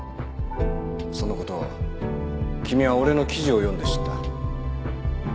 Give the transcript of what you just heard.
その事を君は俺の記事を読んで知った。